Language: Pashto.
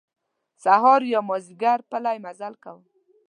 سهار یا مازیګر پلی مزل کوم.